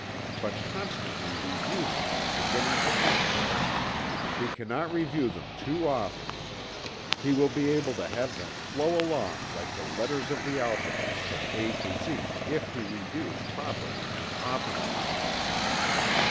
But constantly review them from beginning to end. He cannot review them too often. He will be able to have them flow along like the letters of the alphabet, from "A" to "Z" if he reviews properly and often enough.